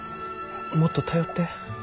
もっと頼って。